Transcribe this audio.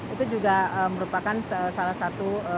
itu juga merupakan salah satu